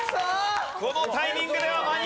このタイミングでは間に合わない！